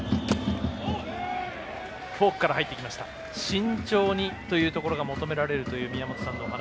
慎重にというところが求められるという宮本さんのお話。